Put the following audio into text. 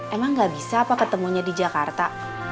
emang gak bisa apa ketemunya di jakarta